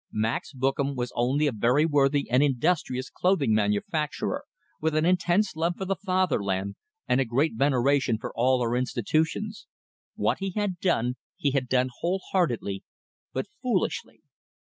Max Bookam was only a very worthy and industrious clothing manufacturer, with an intense love for the Fatherland and a great veneration for all her institutions. What he had done, he had done whole heartedly but foolishly.